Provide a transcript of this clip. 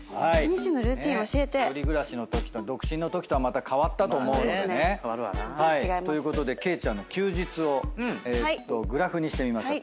１人暮らしのとき独身のときとはまた変わったと思うのでね。ということで景ちゃんの休日をグラフにしてみました。